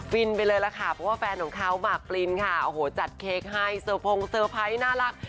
ฟินไปเลยแล้วค่ะเพราะว่าแฟนของเขาหมากปลินจัดเค้กให้สะพงสะพ้ายน่ารัก